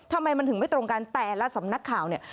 ทำไมมันถึงไม่ตรงกันแต่ละสำนักข่าวเนี่ย